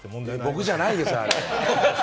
僕じゃないですよ！